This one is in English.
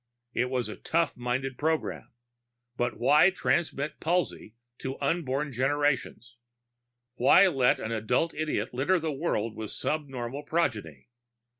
It was a tough minded program. But why transmit palsy to unborn generations? Why let an adult idiot litter the world with subnormal progeny?